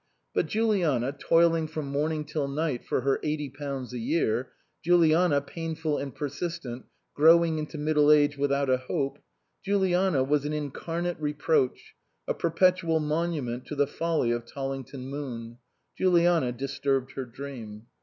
But Juliana, toiling from morning till night for her eighty pounds a year ; Juliana, painful and persistent, growing into middle age without a hope, Juliana was an incarnate reproach, a perpetual monument to the folly of Tollington Moon. Juliana disturbed her dream.